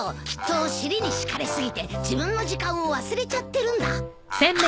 きっと尻に敷かれ過ぎて自分の時間を忘れちゃってるんだ。